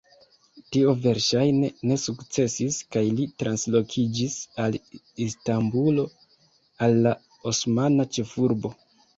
Tio verŝajne ne sukcesis kaj li translokiĝis al Istanbulo, al la osmana ĉefurbo.